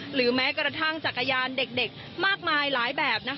หรือแม้กระทั่งจักรยานเด็กมากมายหลายแบบ